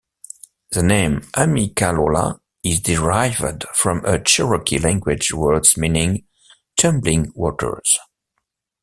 The name "Amicalola" is derived from a Cherokee language word meaning "tumbling waters".